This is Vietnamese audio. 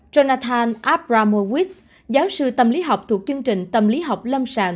jonathan abramowit giáo sư tâm lý học thuộc chương trình tâm lý học lâm sàng